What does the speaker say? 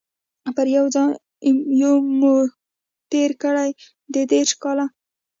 پر یوه ځای مو تیر کړي دي دیرش کاله